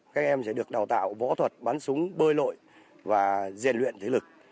các em sẽ được đào tạo võ thuật bắn súng bơi lội và diện luyện thế lực